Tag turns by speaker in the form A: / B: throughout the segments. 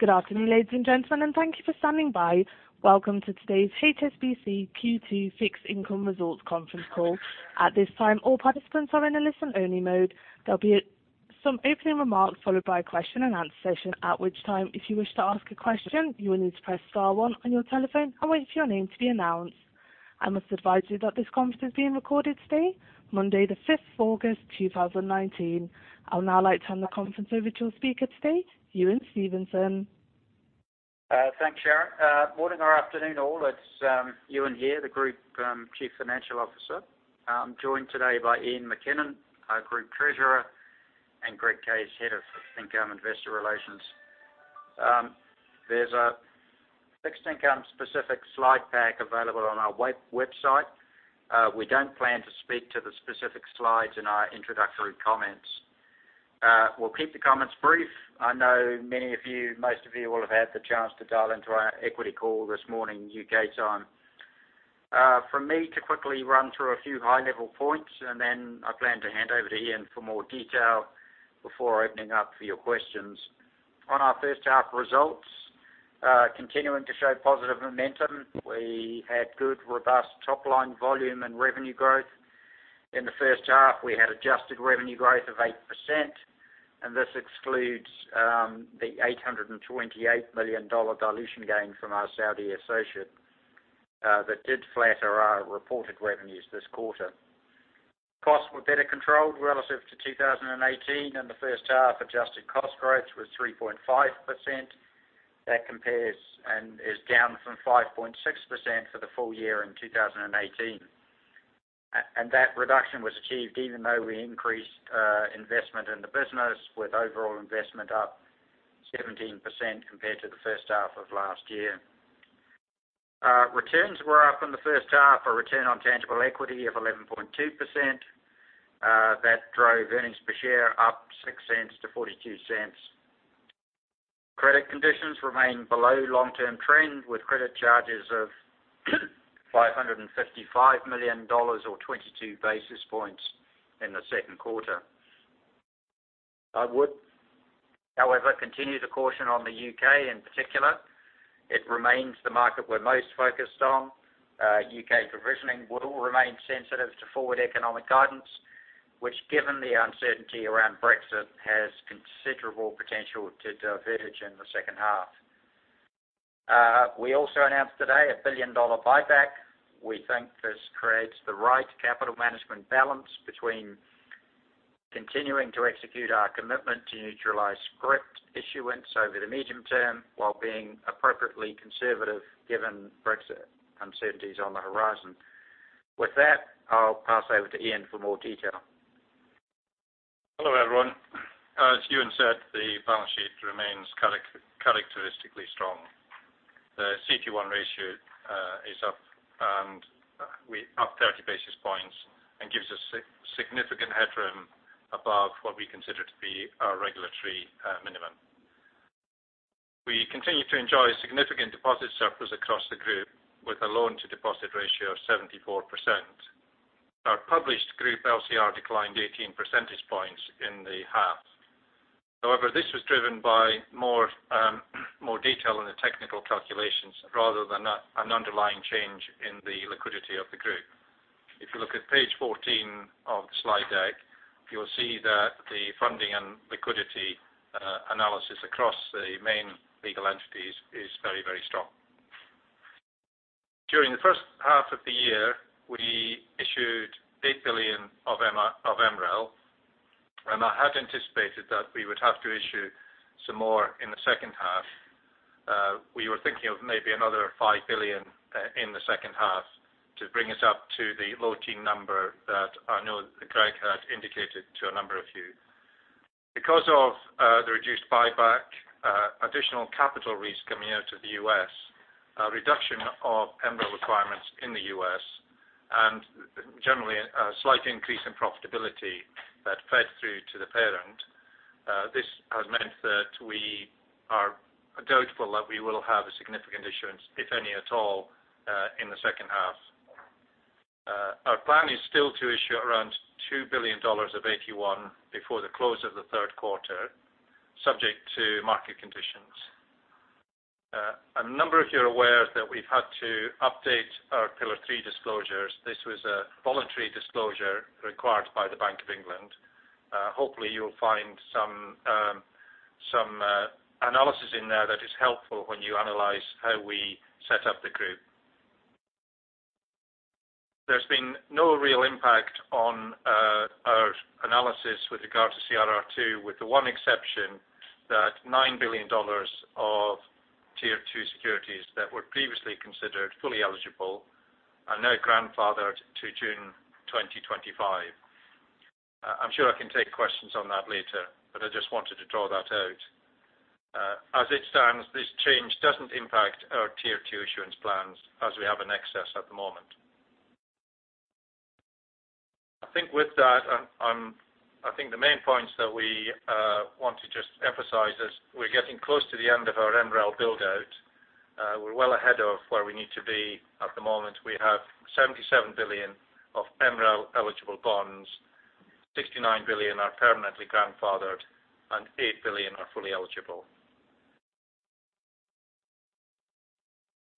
A: Good afternoon, ladies and gentlemen, and thank you for standing by. Welcome to today's HSBC Q2 Fixed Income Results Conference Call. At this time, all participants are in a listen-only mode. There'll be some opening remarks followed by a question and answer session, at which time, if you wish to ask a question, you will need to press star one on your telephone and wait for your name to be announced. I must advise you that this conference is being recorded today, Monday the 5th of August, 2019. I'll now like to turn the conference over to your speaker today, Ewen Stevenson.
B: Thanks, Sharon. Morning or afternoon, all. It's Ewen here, the Group Chief Financial Officer. I'm joined today by Iain MacKinnon, our Group Treasurer, and Greg Case, Head of Fixed Income Investor Relations. There's a Fixed Income specific slide pack available on our website. We don't plan to speak to the specific slides in our introductory comments. We'll keep the comments brief. I know most of you will have had the chance to dial into our equity call this morning, U.K. time. For me to quickly run through a few high-level points, and then I plan to hand over to Iain for more detail before opening up for your questions. On our first half results, continuing to show positive momentum. We had good, robust top-line volume and revenue growth. In the first half, we had adjusted revenue growth of 8%, and this excludes the $828 million dilution gain from our Saudi associate that did flatter our reported revenues this quarter. Costs were better controlled relative to 2018. In the first half, adjusted cost growth was 3.5%. That compares and is down from 5.6% for the full year in 2018. That reduction was achieved even though we increased investment in the business with overall investment up 17% compared to the first half of last year. Returns were up in the first half. A return on tangible equity of 11.2%. That drove earnings per share up $0.06 to $0.42. Credit conditions remain below long-term trend, with credit charges of $555 million, or 22 basis points in the second quarter. I would, however, continue to caution on the U.K. in particular. It remains the market we're most focused on. U.K. provisioning will remain sensitive to forward economic guidance, which given the uncertainty around Brexit, has considerable potential to diverge in the second half. We also announced today a $1 billion buyback. We think this creates the right capital management balance between continuing to execute our commitment to neutralize scrip issuance over the medium term while being appropriately conservative given Brexit uncertainties on the horizon. With that, I'll pass over to Iain for more detail.
C: Hello, everyone. As Ewen said, the balance sheet remains characteristically strong. The CET1 ratio is up 30 basis points and gives us significant headroom above what we consider to be our regulatory minimum. We continue to enjoy significant deposit surplus across the group with a loan-to-deposit ratio of 74%. Our published group LCR declined 18 percentage points in the half. However, this was driven by more detail in the technical calculations rather than an underlying change in the liquidity of the group. If you look at page 14 of the slide deck, you will see that the funding and liquidity analysis across the main legal entities is very strong. During the first half of the year, we issued $8 billion of MREL, and I had anticipated that we would have to issue some more in the second half. We were thinking of maybe another $5 billion in the second half to bring us up to the low-teen number that I know that Greg had indicated to a number of you. Because of the reduced buyback, additional capital reuse coming out of the U.S., a reduction of MREL requirements in the U.S., and generally a slight increase in profitability that fed through to the parent. This has meant that we are doubtful that we will have a significant issuance, if any at all, in the second half. Our plan is still to issue around $2 billion of AT1 before the close of the third quarter, subject to market conditions. A number of you are aware that we've had to update our Pillar 3 disclosures. This was a voluntary disclosure required by the Bank of England. Hopefully, you'll find some analysis in there that is helpful when you analyze how we set up the group. There's been no real impact on our analysis with regard to CRR2, with the one exception that $9 billion of Tier 2 securities that were previously considered fully eligible are now grandfathered to June 2025. I'm sure I can take questions on that later, but I just wanted to draw that out. As it stands, this change doesn't impact our Tier 2 issuance plans as we have an excess at the moment. I think with that, I think the main points that we want to just emphasize is we're getting close to the end of our MREL build-out. We're well ahead of where we need to be. At the moment, we have $77 billion of MREL-eligible bonds, $69 billion are permanently grandfathered, and $8 billion are fully eligible.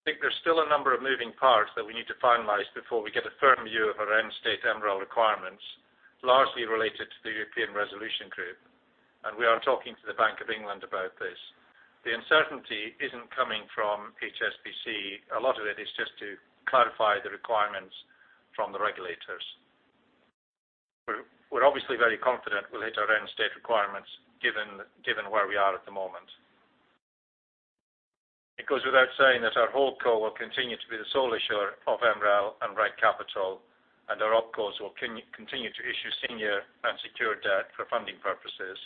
C: I think there's still a number of moving parts that we need to finalize before we get a firm view of our end state MREL requirements, largely related to the European Resolution Group, and we are talking to the Bank of England about this. The uncertainty isn't coming from HSBC. A lot of it is just to clarify the requirements from the regulators. We're obviously very confident we'll hit our end state requirements given where we are at the moment. It goes without saying that our Holdco will continue to be the sole issuer of MREL and write-down capital, and our Opcos will continue to issue senior and secured debt for funding purposes.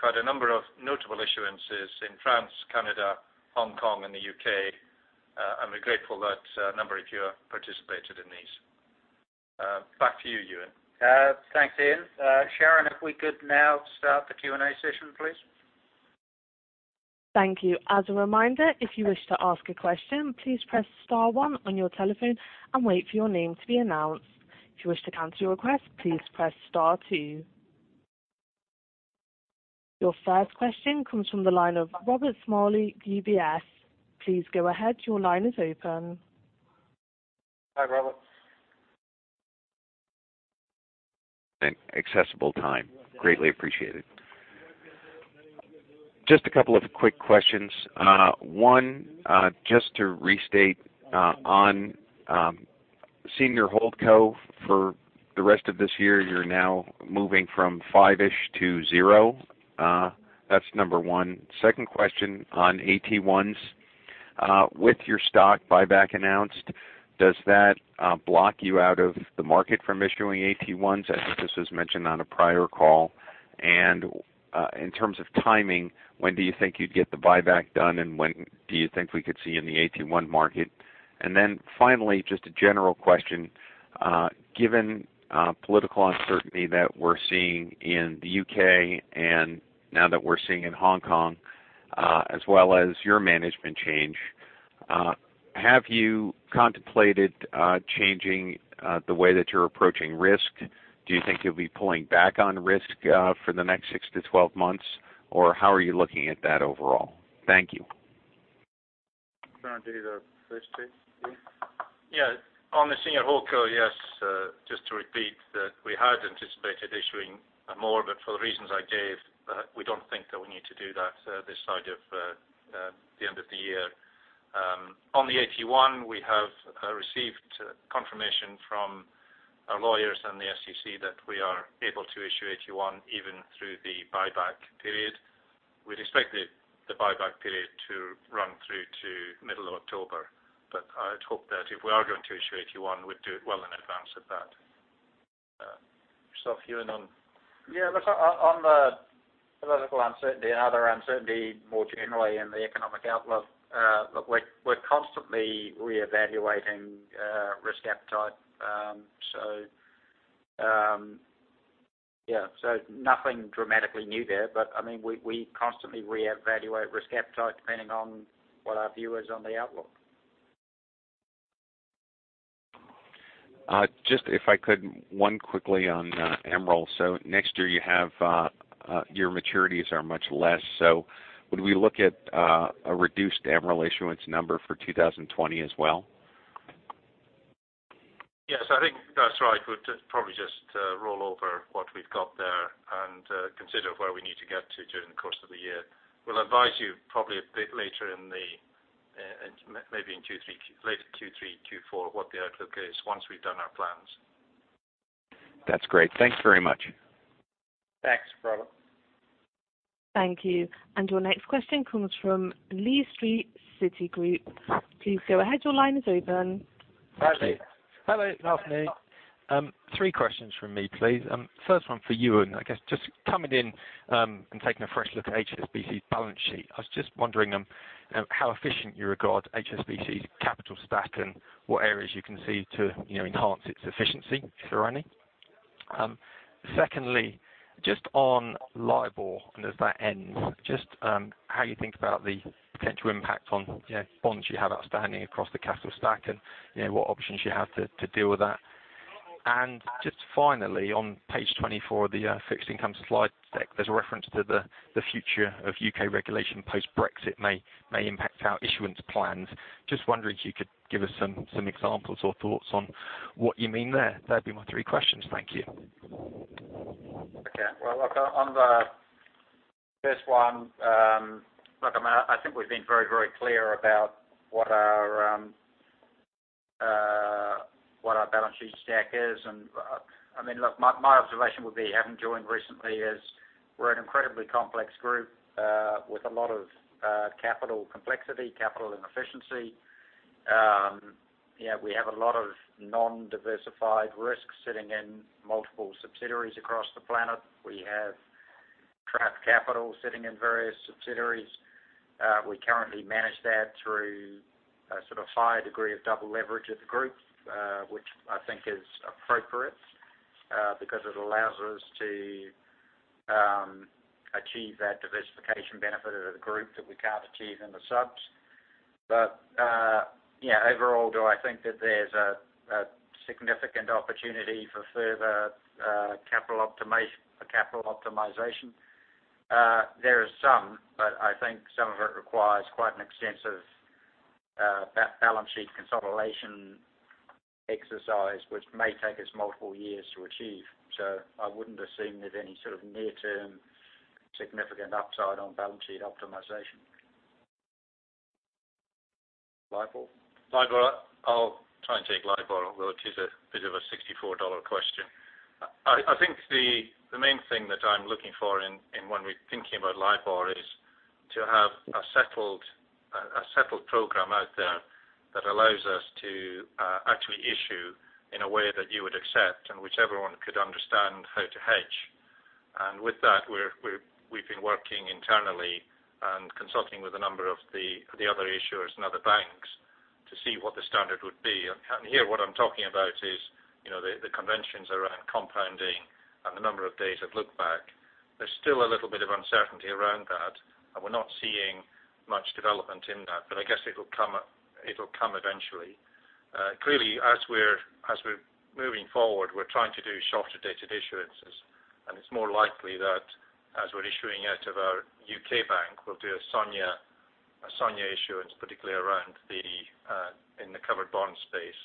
C: We've had a number of notable issuances in France, Canada, Hong Kong, and the U.K., and we're grateful that a number of you have participated in these. Back to you, Ewen.
B: Thanks, Iain. Sharon, if we could now start the Q&A session, please.
A: Thank you. As a reminder, if you wish to ask a question, please press *1 on your telephone and wait for your name to be announced. If you wish to cancel your request, please press *2. Your first question comes from the line of Robert Smalley, UBS. Please go ahead. Your line is open.
B: Hi, Robert.
D: An accessible time. Greatly appreciated. Just a couple of quick questions. One, just to restate on senior Holdco for the rest of this year. You're now moving from five-ish to zero. That's number one. Second question on AT1s. With your stock buyback announced, does that block you out of the market from issuing AT1s? I think this was mentioned on a prior call. In terms of timing, when do you think you'd get the buyback done, and when do you think we could see you in the AT1 market? Finally, just a general question. Given political uncertainty that we're seeing in the U.K. and now that we're seeing in Hong Kong, as well as your management change, have you contemplated changing the way that you're approaching risk? Do you think you'll be pulling back on risk for the next six to 12 months, or how are you looking at that overall? Thank you.
B: I'll hand to you there, first take, Iain.
C: Yeah. On the senior Holdco, yes, just to repeat, that we had anticipated issuing more, but for the reasons I gave, we don't think that we need to do that this side of the end of the year. On the AT1, we have received confirmation from our lawyers and the SEC that we are able to issue AT1 even through the buyback period. We'd expect the buyback period to run through to middle of October. I'd hope that if we are going to issue AT1, we'd do it well in advance of that. What's up, Ewen.
B: Yeah, look, on the political uncertainty and other uncertainty more generally in the economic outlook, look, we're constantly reevaluating risk appetite. Nothing dramatically new there, but we constantly reevaluate risk appetite depending on what our view is on the outlook.
D: Just if I could, one quickly on MREL. Next year, your maturities are much less. Would we look at a reduced MREL issuance number for 2020 as well?
C: Yes, I think that's right. We'll probably just roll over what we've got there and consider where we need to get to during the course of the year. We'll advise you probably a bit later in maybe in Q3, later Q3, Q4, what the outlook is once we've done our plans.
D: That's great. Thank you very much.
B: Thanks, Robert.
A: Thank you. Your next question comes from Lee Street, Citigroup. Please go ahead. Your line is open.
C: Hi, Lee.
E: Hello, good afternoon. Three questions from me, please. First one for Ewen. I guess just coming in and taking a fresh look at HSBC's balance sheet. I was just wondering how efficient you regard HSBC's capital stack and what areas you can see to enhance its efficiency, if there are any. Secondly, just on LIBOR, and as that ends, just how you think about the potential impact on bonds you have outstanding across the capital stack, and what options you have to deal with that. Just finally, on page 24 of the fixed income slide deck, there's a reference to the future of U.K. regulation post-Brexit may impact our issuance plans. Just wondering if you could give us some examples or thoughts on what you mean there. That'd be my three questions. Thank you.
B: Okay. Well, look, on the first one, look, I think we've been very clear about what our balance sheet stack is. Look, my observation would be, having joined recently, is we're an incredibly complex group, with a lot of capital complexity, capital inefficiency. We have a lot of non-diversified risk sitting in multiple subsidiaries across the planet. We have trapped capital sitting in various subsidiaries. We currently manage that through a higher degree of double leverage at the group, which I think is appropriate, because it allows us to achieve that diversification benefit of the group that we can't achieve in the subs. Overall, do I think that there's a significant opportunity for further capital optimization? There is some, but I think some of it requires quite an extensive balance sheet consolidation exercise, which may take us multiple years to achieve. I wouldn't assume that any sort of near-term significant upside on balance sheet optimization. LIBOR?
C: LIBOR. I'll try and take LIBOR, although it is a bit of a $64 question. I think the main thing that I'm looking for when we're thinking about LIBOR is to have a settled program out there that allows us to actually issue in a way that you would accept and which everyone could understand how to hedge. With that, we've been working internally and consulting with a number of the other issuers and other banks to see what the standard would be. Here what I'm talking about is the conventions around compounding and the number of days of look back. There's still a little bit of uncertainty around that, and we're not seeing much development in that, but I guess it'll come eventually. Clearly, as we're moving forward, we're trying to do shorter dated issuances, and it's more likely that as we're issuing out of our U.K. bank, we'll do a SONIA issuance, particularly in the covered bond space,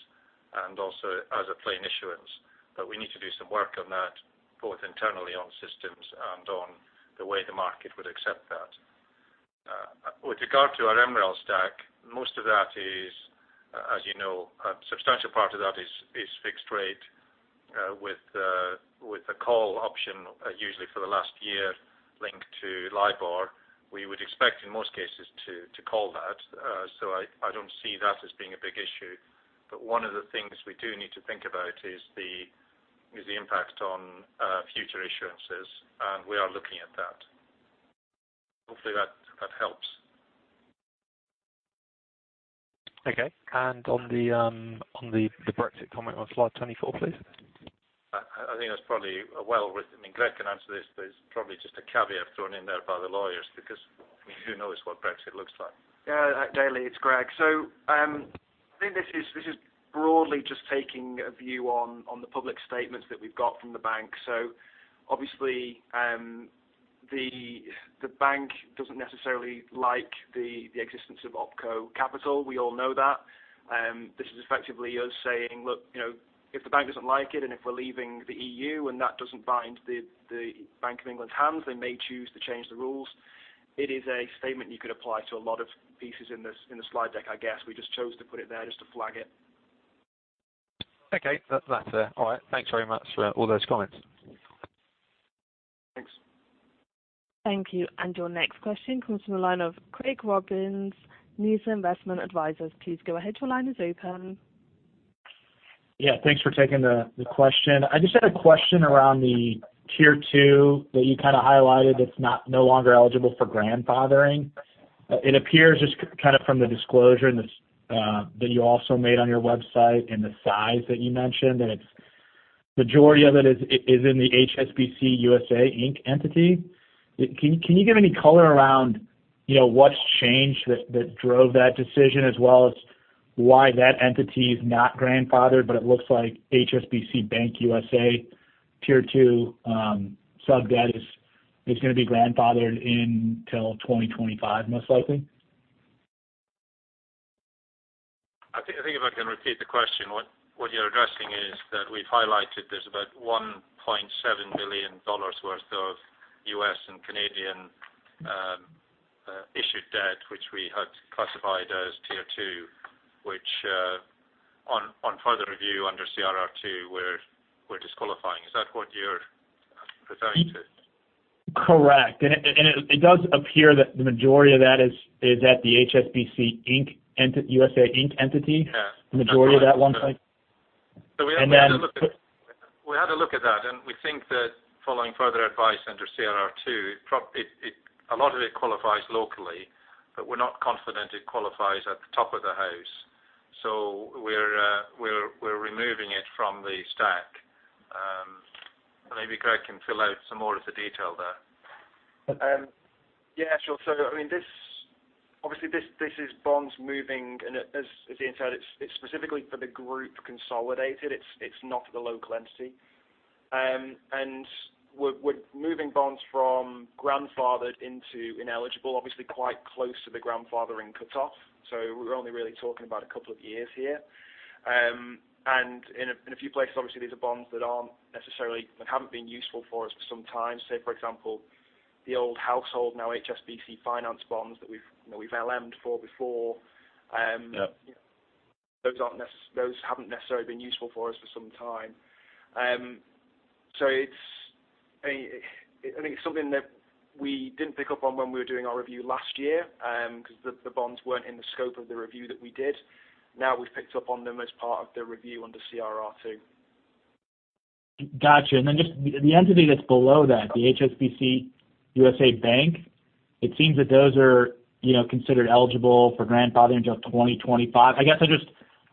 C: and also as a plain issuance. We need to do some work on that, both internally on systems and on the way the market would accept that. With regard to our MREL stack, most of that is, as you know, a substantial part of that is fixed rate, with a call option, usually for the last year, linked to LIBOR. We would expect in most cases to call that. I don't see that as being a big issue. One of the things we do need to think about is the impact on future issuances, and we are looking at that. Hopefully that helps.
E: Okay. On the Brexit comment on slide 24, please.
C: I think that's probably a well-written Greg can answer this, but it's probably just a caveat thrown in there by the lawyers because we do know this is what Brexit looks like.
F: Yeah, Lee, it's Greg. I think this is broadly just taking a view on the public statements that we've got from the bank. Obviously, the bank doesn't necessarily like the existence of OpCo Capital. We all know that. This is effectively us saying, look, if the bank doesn't like it and if we're leaving the EU and that doesn't bind the Bank of England's hands, they may choose to change the rules. It is a statement you could apply to a lot of pieces in the slide deck, I guess. We just chose to put it there just to flag it.
E: Okay. That's all right. Thanks very much for all those comments.
C: Thanks.
A: Thank you. Your next question comes from the line of Craig Robbins, Nuveen Investment Advisors. Please go ahead. Your line is open.
G: Yeah. Thanks for taking the question. I just had a question around the Tier 2 that you highlighted that's no longer eligible for grandfathering. It appears just from the disclosure that you also made on your website and the size that you mentioned, that the majority of it is in the HSBC USA Inc. entity. Can you give any color around what's changed that drove that decision, as well as why that entity is not grandfathered, but it looks like HSBC Bank USA Tier 2 sub debt is going to be grandfathered until 2025, most likely?
C: I think if I can repeat the question, what you're addressing is that we've highlighted there's about $1.7 billion worth of U.S. and Canadian issued debt, which we had classified as Tier 2, which on further review under CRR2, we're disqualifying. Is that what you're referring to?
G: Correct. It does appear that the majority of that is at the HSBC USA Inc entity.
C: Yeah.
G: The majority of that looks like.
C: We had a look at that, and we think that following further advice under CRR2, a lot of it qualifies locally, but we're not confident it qualifies at the top of the house. We're removing it from the stack. Maybe Greg can fill out some more of the detail there.
F: Yeah, sure. Obviously this is bonds moving, and as Iain said, it's specifically for the group consolidated. It's not for the local entity. We're moving bonds from grandfathered into ineligible, obviously quite close to the grandfathering cutoff. We're only really talking about a couple of years here. In a few places, obviously, these are bonds that haven't been useful for us for some time. Say, for example, the old Household, now HSBC Finance bonds that we've LM'd for before.
C: Yeah.
F: Those haven't necessarily been useful for us for some time. I think it's something that we didn't pick up on when we were doing our review last year, because the bonds weren't in the scope of the review that we did. Now we've picked up on them as part of the review under CRR2.
G: Got you. Just the entity that's below that, the HSBC Bank USA. It seems that those are considered eligible for grandfathering till 2025. I guess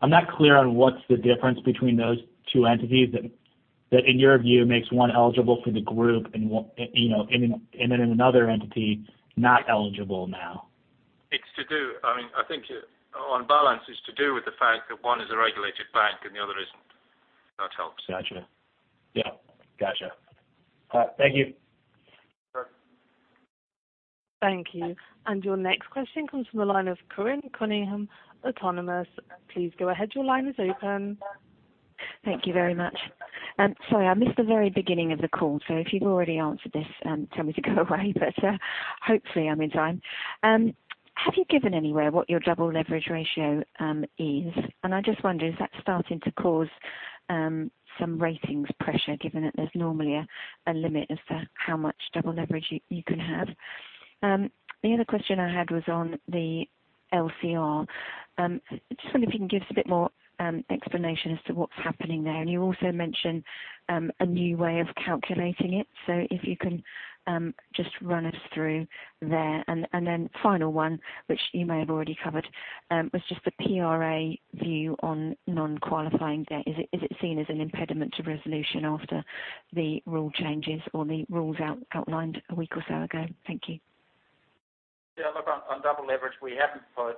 G: I'm not clear on what's the difference between those two entities that, in your view, makes one eligible for the group and then another entity not eligible now.
C: I think on balance it's to do with the fact that one is a regulated bank and the other isn't. If that helps.
G: Got you. Yeah. Got you. All right. Thank you.
C: Sure.
A: Thank you. Your next question comes from the line of Corinne Cunningham, Autonomous. Please go ahead. Your line is open.
H: Thank you very much. Sorry, I missed the very beginning of the call, so if you've already answered this, tell me to go away, but hopefully I'm in time. Have you given anywhere what your double leverage ratio is? I just wonder, is that starting to cause some ratings pressure, given that there's normally a limit as to how much double leverage you can have? The other question I had was on the LCR. Just wondering if you can give us a bit more explanation as to what's happening there. You also mentioned a new way of calculating it, so if you can just run us through there. Final one, which you may have already covered, was just the PRA view on non-qualifying debt. Is it seen as an impediment to resolution after the rule changes or the rules outlined a week or so ago? Thank you.
B: Yeah, look, on double leverage, we haven't put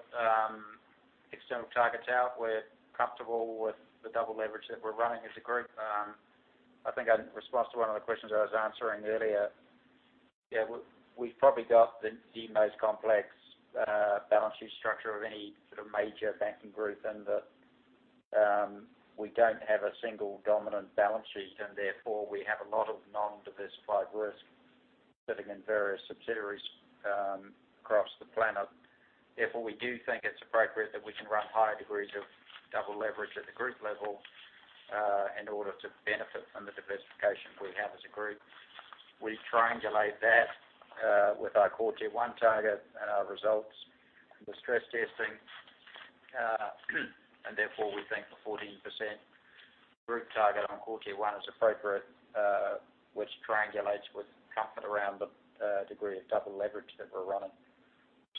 B: external targets out. We're comfortable with the double leverage that we're running as a group. I think in response to one of the questions I was answering earlier, yeah, we've probably got the most complex balance sheet structure of any major banking group in that we don't have a single dominant balance sheet, and therefore, we have a lot of non-diversified risk sitting in various subsidiaries across the planet. We do think it's appropriate that we can run higher degrees of double leverage at the group level in order to benefit from the diversification we have as a group. We triangulate that with our Core Tier 1 target and our results and the stress testing. Therefore, we think the 14% group target on Core Tier 1 is appropriate, which triangulates with comfort around the degree of double leverage that we're running.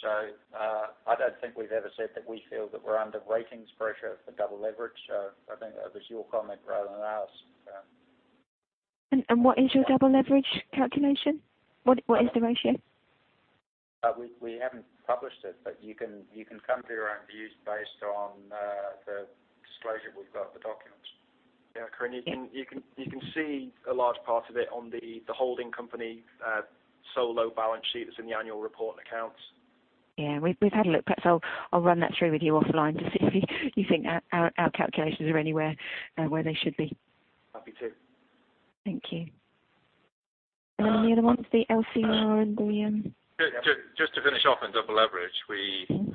B: I don't think we've ever said that we feel that we're under ratings pressure for double leverage. I think that was your comment rather than ours.
H: What is your double leverage calculation? What is the ratio?
B: We haven't published it, but you can come to your own views based on the disclosure we've got in the documents.
F: Corinne, you can see a large part of it on the holding company solo balance sheet that's in the annual report and accounts.
H: Yeah. We've had a look. Perhaps I'll run that through with you offline to see if you think our calculations are anywhere they should be.
F: Happy to.
H: Thank you. The other one, the LCR and.
C: Just to finish off on double leverage. We do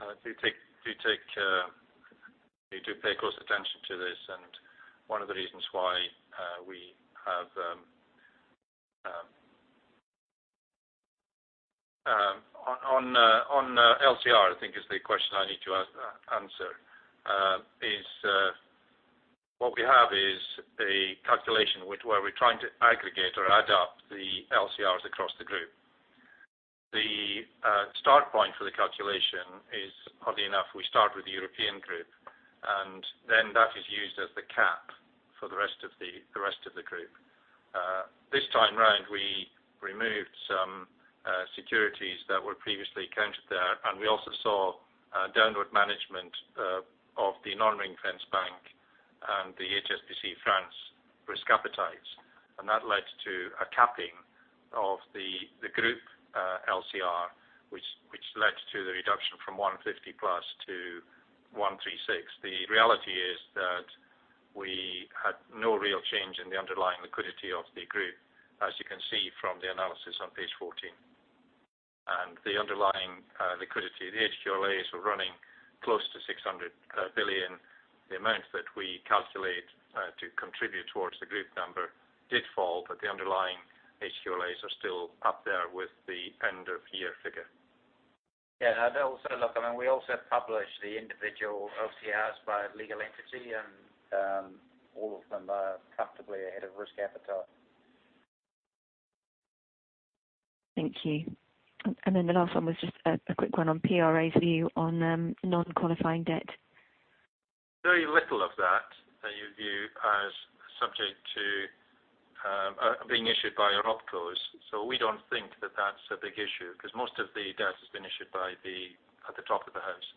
C: pay close attention to this, and one of the reasons why we have. On LCR, I think is the question I need to answer, what we have is a calculation where we're trying to aggregate or add up the LCRs across the group. The start point for the calculation is, oddly enough, we start with the European group, and then that is used as the cap for the rest of the group. This time around, we removed some securities that were previously counted there, and we also saw a downward management of the Non-Ring-Fenced Bank and the HSBC France risk appetites. That led to a capping of the group LCR, which led to the reduction from 150+ to 136. The reality is that we had no real change in the underlying liquidity of the group, as you can see from the analysis on page 14. The underlying liquidity, the HQLAs, were running close to 600 billion. The amount that we calculate to contribute towards the group number did fall, but the underlying HQLAs are still up there with the end-of-year figure.
B: Yeah. Also, look, we also publish the individual LCRs by legal entity, and all of them are comfortably ahead of risk appetite.
H: Thank you. The last one was just a quick one on PRA's view on non-qualifying debt.
C: Very little of that that you view as subject to being issued by opcos. We don't think that that's a big issue, because most of the debt has been issued at the top of the house.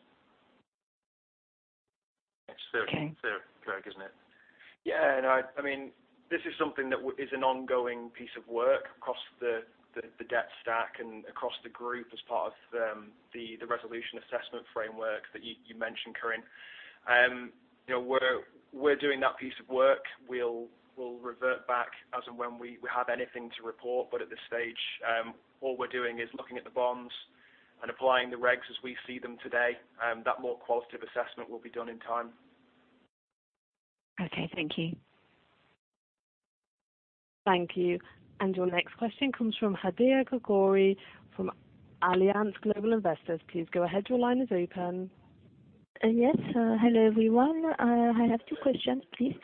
C: It's Greg, isn't it?
F: This is something that is an ongoing piece of work across the debt stack and across the group as part of the Resolvability Assessment Framework that you mentioned, Corinne. We're doing that piece of work. We'll revert back as and when we have anything to report. At this stage, all we're doing is looking at the bonds and applying the regs as we see them today. That more qualitative assessment will be done in time.
H: Okay. Thank you.
A: Thank you. Your next question comes from Hadiya Kagori from Allianz Global Investors. Please go ahead. Your line is open.
I: Yes. Hello, everyone. I have two questions, please.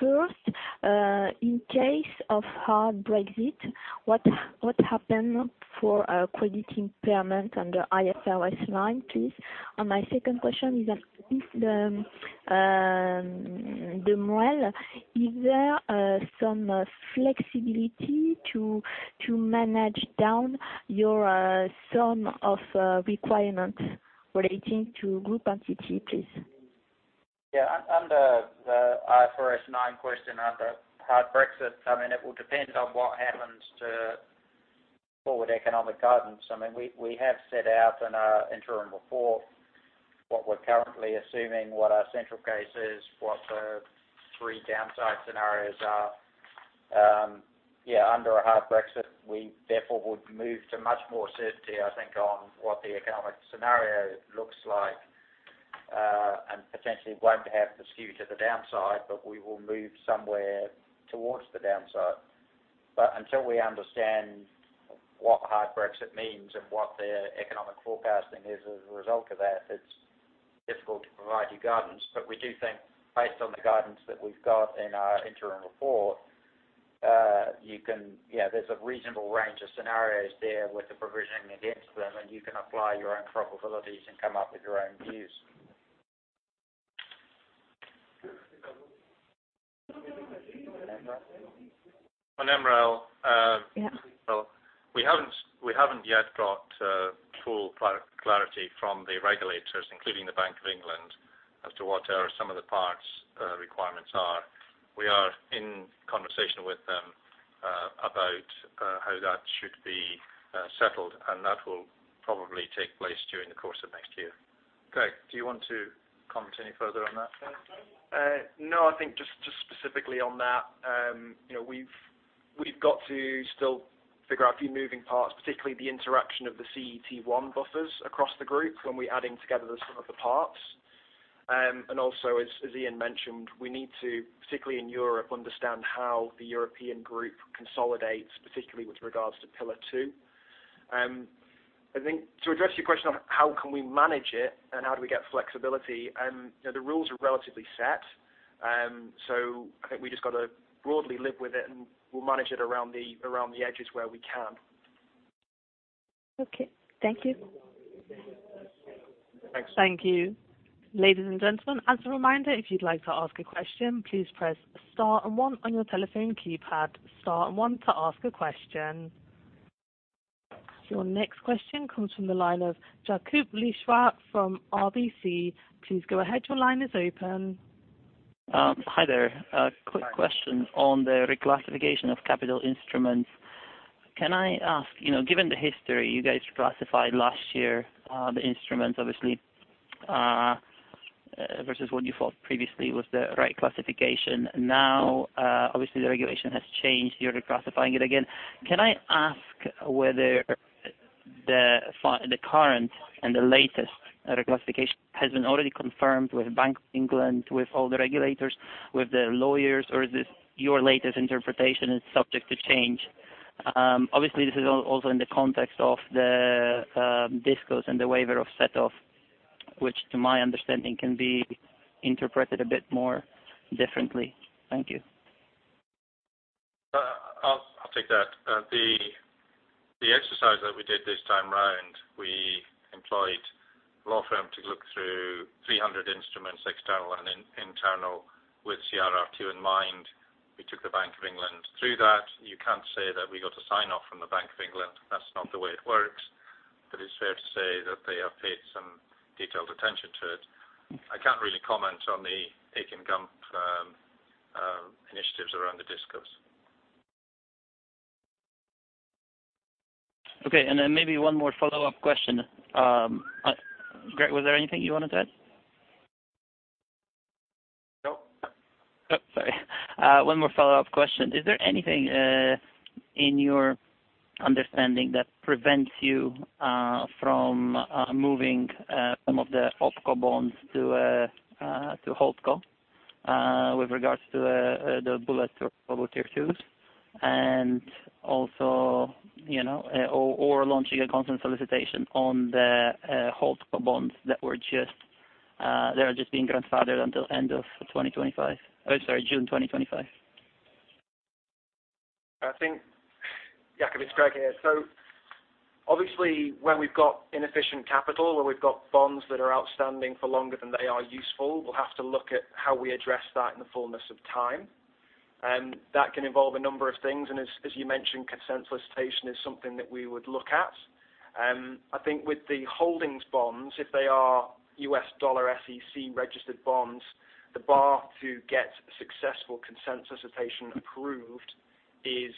I: First, in case of hard Brexit, what happen for credit impairment under IFRS 9, please? My second question is on the MREL. Is there some flexibility to manage down your sum of requirement relating to group entity, please?
B: Yeah. Under the IFRS 9 question, under hard Brexit, it will depend on what happens to forward economic guidance. We have set out in our interim report what we're currently assuming, what our central case is, what the three downside scenarios are. Under a hard Brexit, we therefore would move to much more certainty, I think, on what the economic scenario looks like, and potentially won't have the skew to the downside, but we will move somewhere towards the downside. Until we understand what hard Brexit means and what the economic forecasting is as a result of that, it's difficult to provide you guidance. We do think based on the guidance that we've got in our interim report, there's a reasonable range of scenarios there with the provisioning against them, and you can apply your own probabilities and come up with your own views.
C: On MREL.
I: Yeah.
C: We haven't yet got full clarity from the regulators, including the Bank of England, as to what some of the parts requirements are. We are in conversation with them about how that should be settled, and that will probably take place during the course of next year. Greg, do you want to comment any further on that?
F: No, I think just specifically on that. We've got to still figure out a few moving parts, particularly the interaction of the CET1 buffers across the group when we're adding together the sum of the parts. Also, as Iain mentioned, we need to, particularly in Europe, understand how the European group consolidates, particularly with regards to Pillar 2. I think to address your question on how can we manage it and how do we get flexibility, the rules are relatively set. I think we just got to broadly live with it, and we'll manage it around the edges where we can.
I: Okay. Thank you.
C: Thanks.
A: Thank you. Ladies and gentlemen, as a reminder, if you'd like to ask a question, please press star and one on your telephone keypad, star and one to ask a question. Your next question comes from the line of Jakub Lichwa from RBC. Please go ahead. Your line is open.
J: Hi there. A quick question on the reclassification of capital instruments. Can I ask, given the history you guys classified last year, the instruments, obviously, versus what you thought previously was the right classification. Now, obviously the regulation has changed. You're reclassifying it again. Can I ask whether the current and the latest reclassification has been already confirmed with Bank of England, with all the regulators, with the lawyers, or is this your latest interpretation is subject to change? Obviously, this is also in the context of the DISCOS and the waiver of set-off, which, to my understanding, can be interpreted a bit more differently. Thank you.
C: I'll take that. The exercise that we did this time around, we employed a law firm to look through 300 instruments, external and internal, with CRR2 in mind. We took the Bank of England through that. You can't say that we got a sign-off from the Bank of England. That's not the way it works. It's fair to say that they have paid some detailed attention to it. I can't really comment on the Akin Gump initiatives around the DISCOS.
J: Okay, then maybe one more follow-up question. Greg, was there anything you wanted to add?
F: No.
J: Sorry. One more follow-up question. Is there anything in your understanding that prevents you from moving some of the OpCo bonds to Holdco with regards to the bullet or public Tier 2s, or launching a consent solicitation on the Holdco bonds that are just being grandfathered until end of June 2025?
F: I think, Jacob, it's Greg here. Obviously when we've got inefficient capital, where we've got bonds that are outstanding for longer than they are useful, we'll have to look at how we address that in the fullness of time. That can involve a number of things, and as you mentioned, consent solicitation is something that we would look at. I think with the Holdco bonds, if they are U.S. dollar SEC registered bonds, the bar to get successful consent solicitation approved is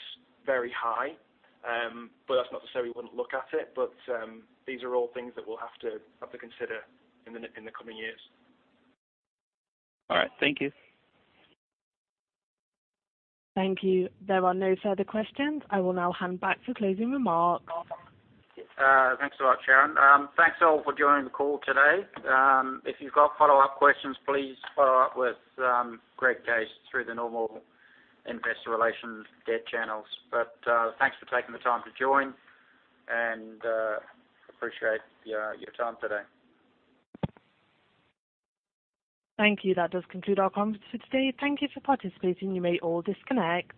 F: very high. That's not to say we wouldn't look at it, but these are all things that we'll have to consider in the coming years.
J: All right. Thank you.
A: Thank you. There are no further questions. I will now hand back for closing remarks.
B: Thanks a lot, Sharon. Thanks all for joining the call today. If you've got follow-up questions, please follow up with Greg Case through the normal investor relations debt channels. Thanks for taking the time to join, and appreciate your time today.
A: Thank you. That does conclude our conference for today. Thank you for participating. You may all disconnect.